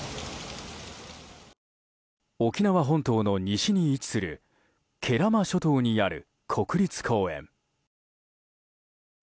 沖縄本島の西に位置する慶良間諸島にある国立公園。